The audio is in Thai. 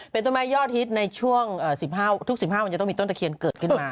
เป็นต้นไม้ยอดฮิตในช่วงทุก๑๕มันจะต้องมีต้นตะเคียนเกิดขึ้นมา